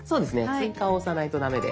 「追加」を押さないと駄目です。